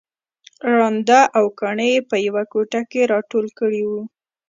ړانده او کاڼه يې په يوه کوټه کې راټول کړي وو